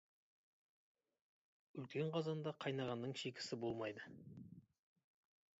Үлкен қазанда қайнағанның шикісі болмайды.